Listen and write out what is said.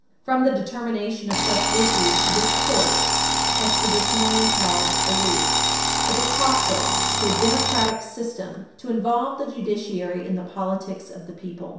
From the determination of such issues, this Court has traditionally held aloof. It is hostile to Page 328 U. S. 554 a democratic system to involve the judiciary in the politics of the people.